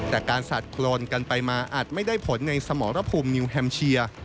แต่การสาดโครนกันไปมาอาจไม่ได้ผลในสมรภูมินิวแฮมเชีย